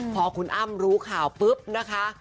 พอคุณอ้ำรู้ข่าวปุ๊บนะคะ